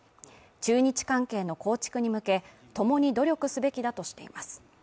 中日関係の構築に向け共に努力すべきだとしています